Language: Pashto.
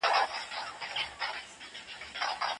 پلار موږ ته را زده کوي چي څنګه د خپلو ګاونډیانو سره مرسته وکړو.